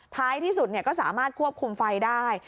ท้ายที่สุดก็สามารถควบคุมไฟได้